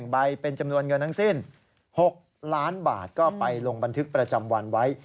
ใบเป็นจำนวนเงินทั้งสิ้น๖ล้านบาทก็ไปลงบันทึกประจำวันไว้